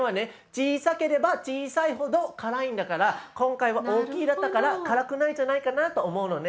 小さければ小さいほど辛いんだから今回は大きいだったから辛くないんじゃないかなと思うのね。